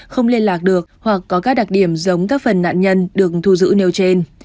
không liên lạc được hoặc có các đặc điểm giống các phần nạn nhân được thu giữ nêu trên